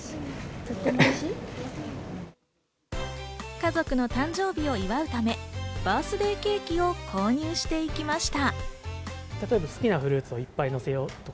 家族の誕生日を祝うためバースデーケーキを購入していきました。